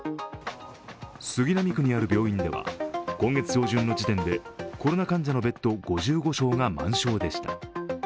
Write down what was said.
杉並区にある病院では今月上旬の時点でコロナ患者のベッド５５床が満床でした。